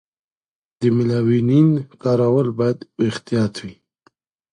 د میلاټونین کارول باید په احتیاط وي.